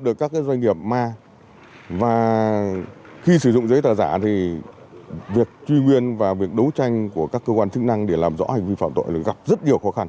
đối với các cơ quan chức năng để làm rõ hành vi phạm tội gặp rất nhiều khó khăn